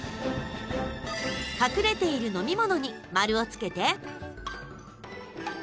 隠れている飲み物に丸をつけて！